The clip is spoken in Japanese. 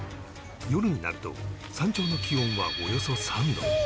夜になると山頂の気温はおよそ３度